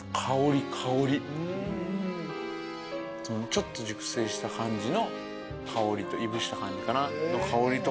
ちょっと熟成した感じの香りといぶした感じかな香りと。